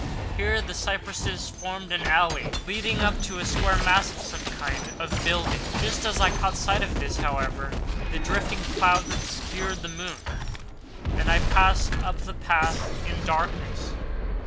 Here the cypresses formed an alley leading up to a square mass of some kind of building. Just as I caught sight of this, however, the drifting clouds obscured the moon, and I passed up the path in darkness.